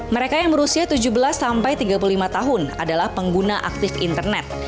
mereka yang berusia tujuh belas sampai tiga puluh lima tahun adalah pengguna aktif internet